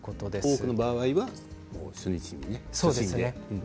多くの場合は初日にね。